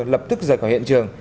lập tức rời khỏi hiện trường